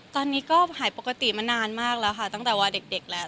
ตอนนี้ก็หายปกติมานานมากแล้วค่ะตั้งแต่วาเด็กแล้ว